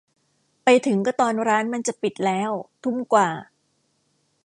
ไปถึงก็ตอนร้านมันจะปิดแล้ว ทุ่มกว่า